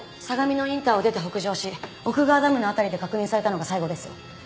相模野インターを出て北上し奥川ダムの辺りで確認されたのが最後です。